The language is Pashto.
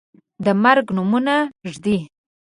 د مرګ نومونه ږدي